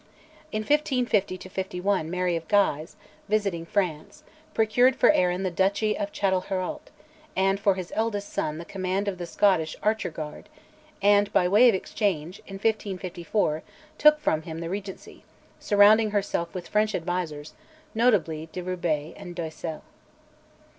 In 1550 51 Mary of Guise, visiting France, procured for Arran the Duchy of Chatelherault, and for his eldest son the command of the Scottish Archer Guard, and, by way of exchange, in 1554 took from him the Regency, surrounding herself with French advisers, notably De Roubay and d'Oysel.